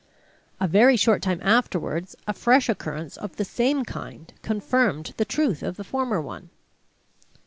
A very short time afterwards a fresh occurrence of the same kind confirmed the truth of the former one.